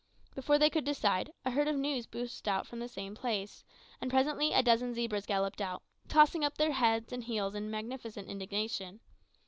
Before they could decide, a herd of gnus burst from the same place; and presently a dozen zebras galloped out, tossing up their heels and heads in magnificent indignation.